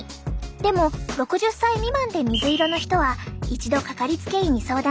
でも６０歳未満で水色の人は一度かかりつけ医に相談してね。